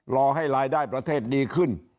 รอให้รายได้ประเทศดีขึ้น